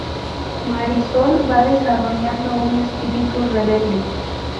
Marisol va desarrollando un espíritu rebelde.